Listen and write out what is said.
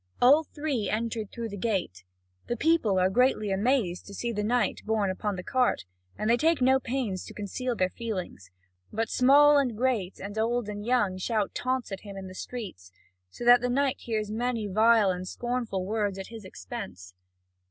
All three entered through the gate; the people are greatly amazed to see the knight borne upon the cart, and they take no pains to conceal their feelings, but small and great and old and young shout taunts at him in the streets, so that the knight hears many vile and scornful words at his expense.